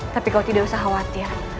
tapi kalau tidak usah khawatir